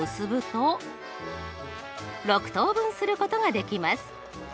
６等分することができます。